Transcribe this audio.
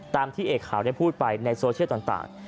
ที่เอกข่าวได้พูดไปในโซเชียลต่าง